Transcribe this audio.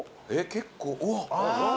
結構うわっあ